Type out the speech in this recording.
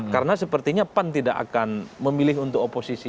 karena sepertinya pan tidak akan memilih untuk membuat kekuasaan yang baik